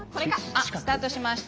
あっスタートしました。